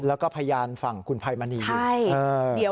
แล้วก็พยานฝั่งคุณภัยมณี